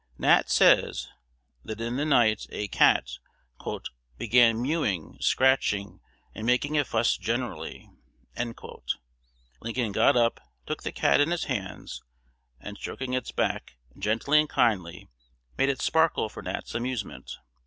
Nat says, that in the night a cat "began mewing, scratching, and making a fuss generally." Lincoln got up, took the cat in his hands, and stroking its back "gently and kindly," made it sparkle for Nat's amusement.